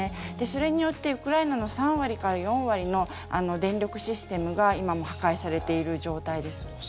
それによってウクライナの３割から４割の電力システムが今も破壊されている状態です。